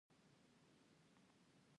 او اوبۀ به وڅښو ـ